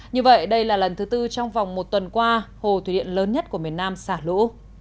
như vậy đây là lần thứ tư trong vòng một tuần qua hồ thủy điện lớn nhất của miền nam xả lũ